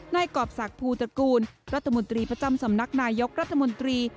กรอบศักดิ์ภูตระกูลรัฐมนตรีประจำสำนักนายกรัฐมนตรี